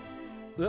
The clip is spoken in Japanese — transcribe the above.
え？